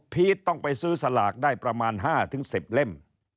ต้องไปซื้อสลากได้ประมาณ๕๑๐เล่ม